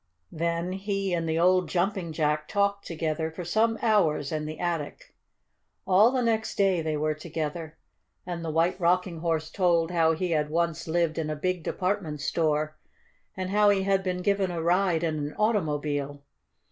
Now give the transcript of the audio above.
Then he and the old Jumping Jack talked together for some hours in the attic. All the next day they were together, and the White Rocking Horse told how he had once lived in a big department store, and how he had been given a ride in an automobile.